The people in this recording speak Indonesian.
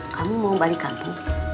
kamu mau balik kampung